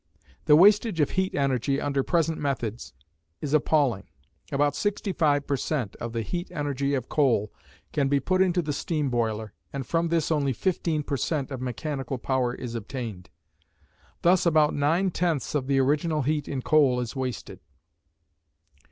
The wastage of heat energy under present methods is appalling. About 65 per cent. of the heat energy of coal can be put into the steam boiler, and from this only 15 per cent. of mechanical power is obtained. Thus about nine tenths of the original heat in coal is wasted.